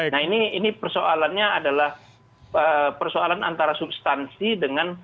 nah ini persoalannya adalah persoalan antara substansi dengan